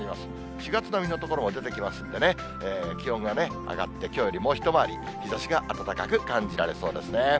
４月並みの所も出てきますんでね、気温が上がって、きょうよりもう一回り、日ざしが暖かく感じられそうですね。